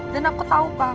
dan aku tau pak